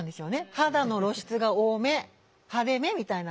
肌の露出が多め派手めみたいな。